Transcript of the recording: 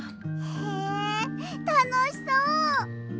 へえたのしそう！